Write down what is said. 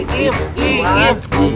iya pak ip ada apa